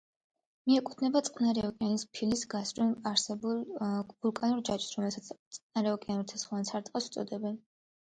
მიეკუთვნება წყნარი ოკეანის ფილის გასწვრივ არსებულ ვულკანურ ჯაჭვს, რომელსაც წყნაროკეანურ ცეცხლოვან სარტყელს უწოდებენ.